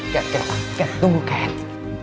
kat kat kat tunggu kat